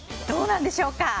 どうなんでしょうか。